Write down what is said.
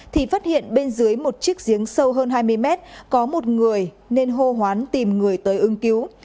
thì phát hiện bên dưới một chiếc giếng sâu hơn hai mươi mét có một người nên hô hoán tìm người tới ưng cứu